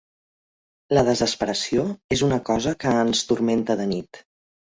La desesperació és una cosa que ens turmenta de nit.